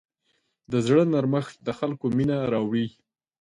د زړه نرمښت د خلکو مینه راوړي.